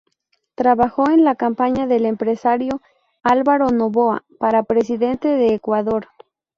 Trabajó en la campaña del empresario Álvaro Noboa para presidente de Ecuador.